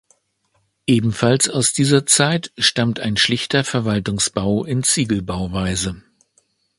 Ebenfalls aus dieser Zeit stammt ein schlichter Verwaltungsbau in Ziegelbauweise.